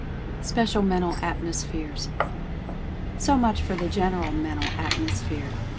SPECIAL MENTAL ATMOSPHERES. So much for the General Mental Atmosphere.